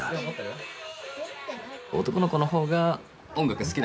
男の子の方が音楽好きだから。